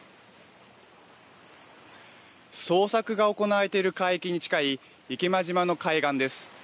捜索が行われている海域に近い池間島の海岸です。